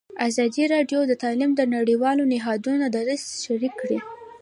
ازادي راډیو د تعلیم د نړیوالو نهادونو دریځ شریک کړی.